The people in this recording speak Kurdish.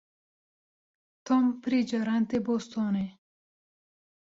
Tom pirî caran tê bostonê.